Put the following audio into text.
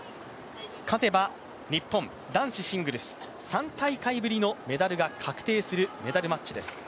勝てば日本、男子シングルス３大会ぶりのメダルが確定するメダルマッチです。